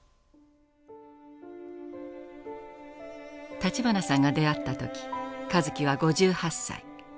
立花さんが出会った時香月は５８歳。